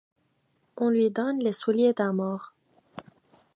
On lui donne les souliers d'un mort.